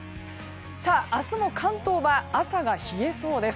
明日も関東は朝が冷えそうです。